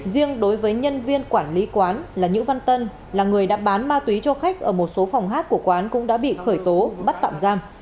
riêng đối với nhân viên quản lý quán là nhữ văn tân là người đã bán ma túy cho khách ở một số phòng hát của quán cũng đã bị khởi tố bắt tạm giam